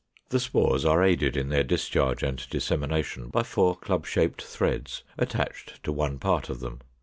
The spores are aided in their discharge and dissemination by four club shaped threads attached to one part of them.